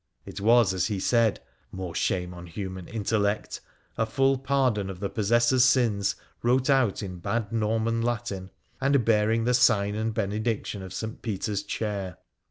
It was, as he said— more shame on human intellect!— a full pardon of the possessor's sins wrote out in bad Norman Latin, and bearing the sign and benediction of St. Peter's chair.